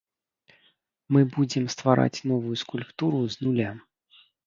Мы будзем ствараць новую скульптуру з нуля.